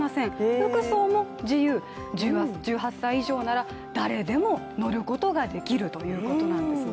服装も自由、１８歳以上なら誰でも乗ることができるということなんですね